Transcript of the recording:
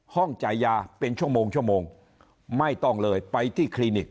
ห้องจ่ายยาเป็นชั่วโมงไม่ต้องเลยไปที่คลินิก